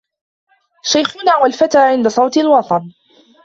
شيخنا والفتى عند صـوت الوطن